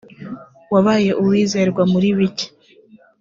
wabaye uwizerwa muri bike